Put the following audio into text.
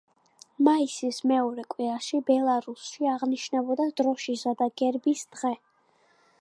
მაისის მეორე კვირაში ბელარუსში აღინიშნება დროშისა და გერბის დღე.